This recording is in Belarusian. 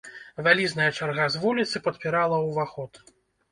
Вялізная чарга з вуліцы падпірала ўваход.